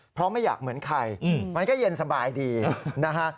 เพราะไม่อยากเหมือนใครมันก็เย็นสบายดีนะฮะ